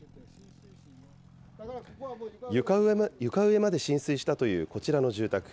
床上まで浸水したというこちらの住宅。